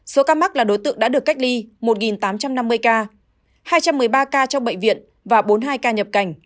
số ca mắc là đối tượng đã được cách ly một tám trăm năm mươi ca hai trăm một mươi ba ca trong bệnh viện và bốn mươi hai ca nhập cảnh